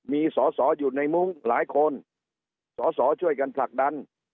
มีสอสออยู่ในมุ้งหลายคนสอสอช่วยกันผลักดัน